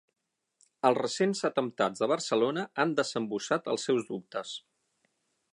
Els recents atemptats de Barcelona han desembussat els seus dubtes.